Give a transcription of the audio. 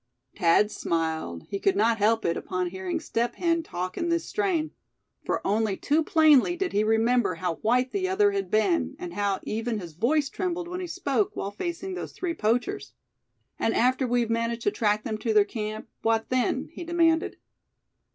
Thad smiled; he could not help it, upon hearing Step Hen talk in this strain; for only too plainly did he remember how white the other had been, and how even his voice trembled when he spoke, while facing those three poachers. "And after we've managed to track them to their camp, what then?" he demanded.